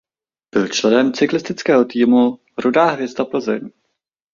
Byl členem cyklistického týmu Rudá hvězda Plzeň.